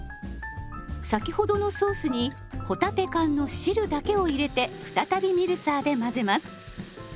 先ほどのソースに帆立て缶の汁だけを入れて再びミルサーで混ぜます。